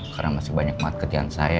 karena masih banyak maat ketian saya